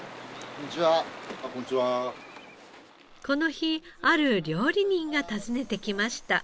この日ある料理人が訪ねて来ました。